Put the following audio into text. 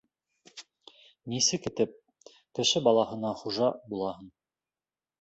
Нисек итеп кеше балаһына хужа булаһың?